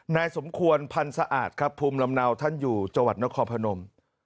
นายสมควรพันธ์สะอาดครับภูมิลำเนาท่านอยู่จังหวัดนครพนม